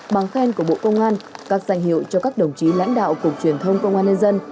bằng khen của bộ công an các danh hiệu cho các đồng chí lãnh đạo cục truyền thông công an nhân dân